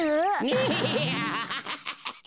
ナハハハハ。